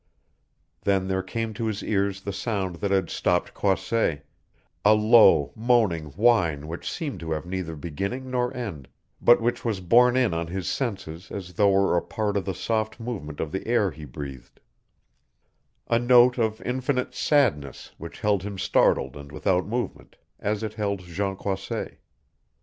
Then there came to his ears the sound that had stopped Croisset a low, moaning whine which seemed to have neither beginning nor end, but which was borne in on his senses as though it were a part of the soft movement of the air he breathed a note of infinite sadness which held him startled and without movement, as it held Jean Croisset.